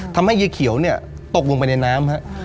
ทำให้ยายเขียวตกลงไปในน้ำ